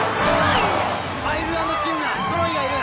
アイルランドチームだトロイがいる！